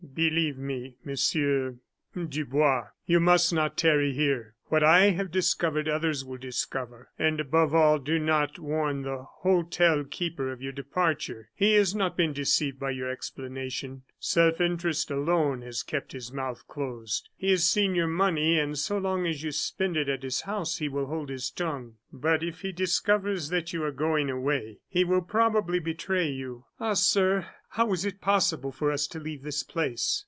"Believe me, Monsieur Dubois, you must not tarry here. What I have discovered others will discover. And above all, do not warn the hotel keeper of your departure. He has not been deceived by your explanation. Self interest alone has kept his mouth closed. He has seen your money, and so long as you spend it at his house he will hold his tongue; but if he discovers that you are going away, he will probably betray you." "Ah! sir, but how is it possible for us to leave this place?"